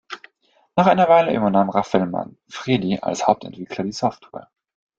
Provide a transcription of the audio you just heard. Nach einer Weile übernahm Raphael Manfredi als Hauptentwickler die Software.